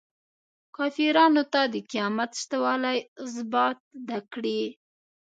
کافرانو ته د قیامت شته والی ازبات کړي.